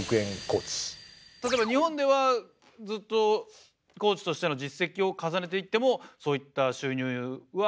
例えば日本ではずっとコーチとしての実績を重ねていってもそういった収入は難しいんでしょうか？